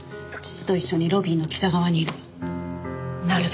父と一緒にロビーの北側にいるわ。